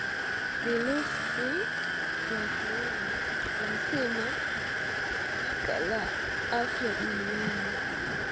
VIRUSI VYA CORONA, LASEMA SHIRIKA LA AFYA DUNIANI